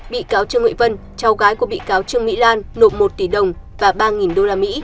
bị cáo trương huệ vân cháu gái của bị cáo trương mỹ lan nộp một tỷ đồng và ba usd